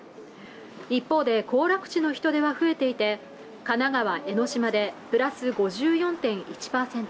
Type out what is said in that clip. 一方で行楽地の人出は増えていて神奈川江の島でプラス５４．１％